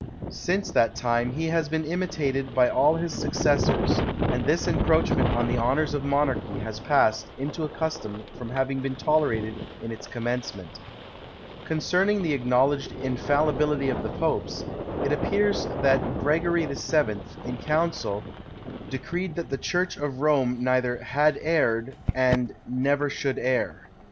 Since that time he has been imitated by all his successors, and this encroachment on the honours of monarchy has passed into a custom from having been tolerated in its commencement. Concerning the acknowledged infallibility of the Popes, it appears that Gregory VII., in council, decreed that the church of Rome neither had erred, and never should err.